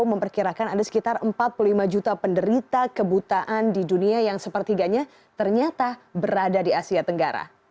memperkirakan ada sekitar empat puluh lima juta penderita kebutaan di dunia yang sepertiganya ternyata berada di asia tenggara